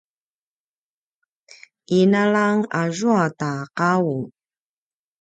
inalang azua ta qau